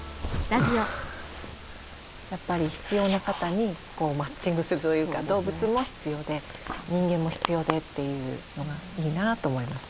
やっぱり必要な方にマッチングするというか動物も必要で人間も必要でというのがいいなと思いますね。